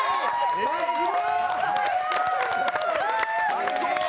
最高！